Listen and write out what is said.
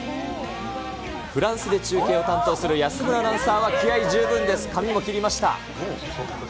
フランスで中継を担当する安村アナウンサーは気合い十分です。